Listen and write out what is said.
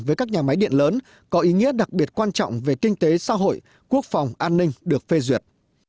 với các nhà máy điện lớn có ý nghĩa đặc biệt quan trọng về kinh tế xã hội quốc phòng an ninh được phê duyệt